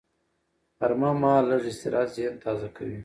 غرمه مهال لږ استراحت ذهن تازه کوي